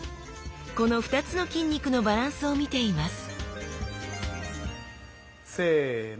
この２つの筋肉のバランスを見ていますせの。